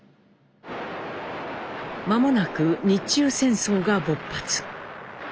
間もなく日中戦争が勃発。